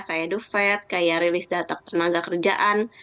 kayak duvet kayak rilis data tenaga kerjaan